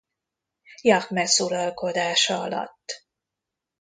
Jahmesz uralkodása alatt.